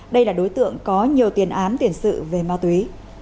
đây là đối tượng có nhiều tiền án tiền sự về ma túy